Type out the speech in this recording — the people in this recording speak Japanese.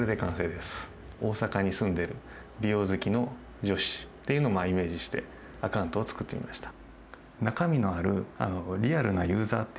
「大阪に住んでいる美容好きの女子」っていうのをイメージしてアカウントを作ってみました。